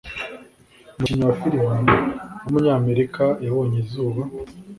umukinnyi wa film w’umunyamerika yabonye izuba